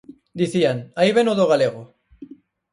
Dicían: "Aí vén o do galego".